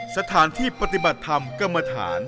สถานที่ปฏิบัติธรรมกรรมฐาน